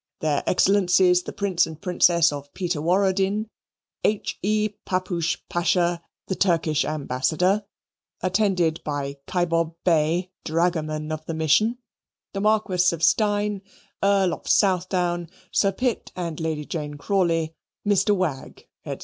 Their Excellencies the Prince and Princess of Peterwaradin, H. E. Papoosh Pasha, the Turkish Ambassador (attended by Kibob Bey, dragoman of the mission), the Marquess of Steyne, Earl of Southdown, Sir Pitt and Lady Jane Crawley, Mr. Wagg, &c.